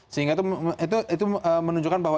sehingga itu menunjukkan bahwa